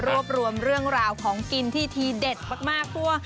รวบรวมเรื่องราวของกินที่ทีเด็ดมากทั่ว